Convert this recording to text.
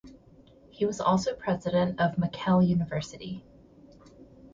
He was also President of Mekelle University.